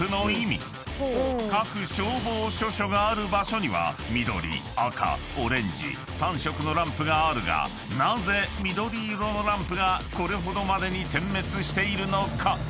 ［各消防署所がある場所には緑赤オレンジ３色のランプがあるがなぜ緑色のランプがこれほどまでに点滅しているのか？］